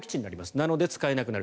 なので使えなくなる。